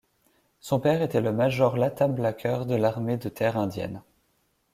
Son père était le major Latham Blacker de l'armée de terre indienne.